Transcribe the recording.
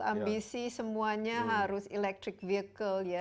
ambisi semuanya harus electric vehicle ya